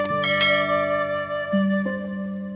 neng mah kayak gini